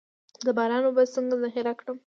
د باران اوبه څنګه ذخیره کړم؟